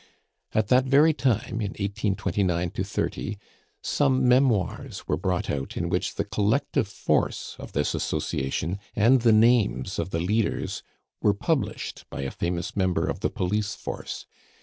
At that very time, in 1829 30, some memoirs were brought out in which the collective force of this association and the names of the leaders were published by a famous member of the police force.